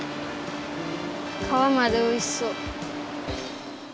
かわまでおいしそう。